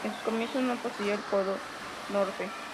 En sus comienzos no poseía el codo norte.